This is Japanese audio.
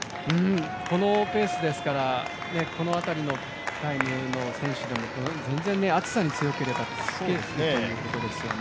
このペースですから、この辺りのタイムの選手も全然暑さに強ければつけるということですよね。